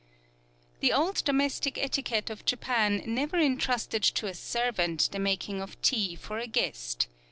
The old domestic etiquette of Japan never intrusted to a servant the making of tea for a guest.